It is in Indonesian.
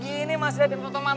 gitu ketemu jawaban